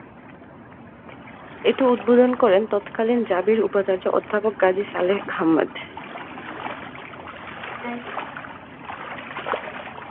এটি উদ্বোধন করেন তৎকালীন জাবির উপাচার্য অধ্যাপক কাজী সালেহ আহম্মেদ।